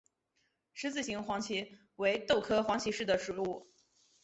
十字形黄耆为豆科黄芪属的植物。